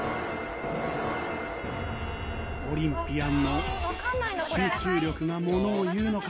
オリンピアンの集中力がものを言うのか？